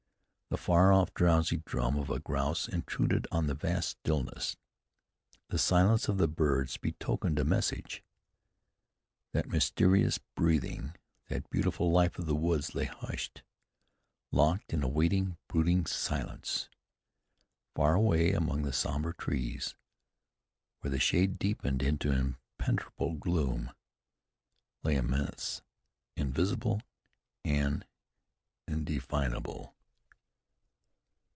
The far off drowsy drum of a grouse intruded on the vast stillness. The silence of the birds betokened a message. That mysterious breathing, that beautiful life of the woods lay hushed, locked in a waiting, brooding silence. Far away among the somber trees, where the shade deepened into impenetrable gloom, lay a menace, invisible and indefinable.